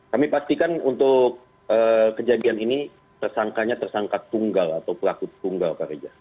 kami pastikan untuk kejadian ini tersangkanya tersangka tunggal atau pelaku tunggal pak reza